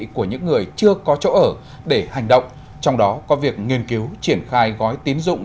của những người chưa có chỗ ở để hành động trong đó có việc nghiên cứu triển khai gói tín dụng